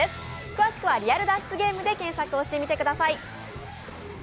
詳しくはリアル脱出ゲームで検索をしてみてください。